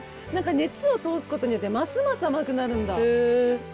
何か熱を通すことによってますます甘くなるんだ。